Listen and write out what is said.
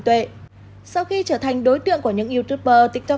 thế đây là không ai đi theo nữa